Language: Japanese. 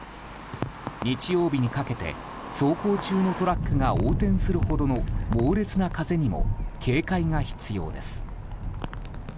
日曜日にかけて走行中のトラックが横転するほどの猛烈な風にも警戒が必要です。